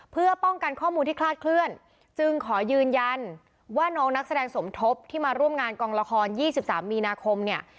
เพื่อป้องกันข้อมูลที่คลาดเคลื่อนจึงขอยืนยันว่าน้องนักแสดงสมทบที่มาร่วมงานกองละคร๒๓มีนาคมเนี่ย